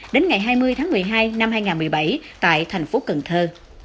đến ngày hai mươi tháng một mươi hai năm hai nghìn một mươi bảy tại thành phố cần thơ